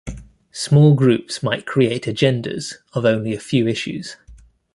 Small groups might create agendas of only a few issues.